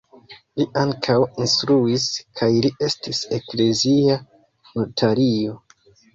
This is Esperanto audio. Li ankaŭ instruis kaj li estis eklezia notario.